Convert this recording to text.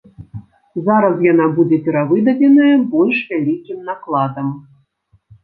Зараз яна будзе перавыдадзеная больш вялікім накладам.